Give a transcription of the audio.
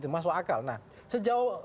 masuk akal nah sejauh